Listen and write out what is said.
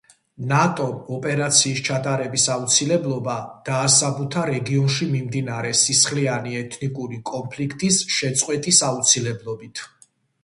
ნატომ ოპერაციის ჩატარების აუცილებლობა დაასაბუთა რეგიონში მიმდინარე სისხლიანი ეთნიკური კონფლიქტის შეწყვეტის აუცილებლობით.